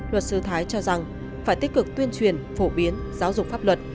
luật sư thái cho rằng phải tích cực tuyên truyền phổ biến giáo dục pháp luật